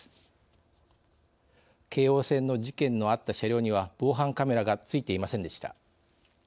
京王線の事件のあった車両には防犯カメラがついていませんでした。